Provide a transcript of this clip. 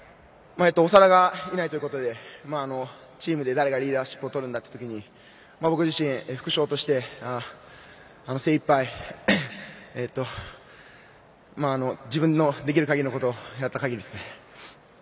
長田がいないということでチームで誰がリーダーシップをとるんだというときに僕自身、副主将として精いっぱい自分のできるかぎりのことをやったかぎりですね。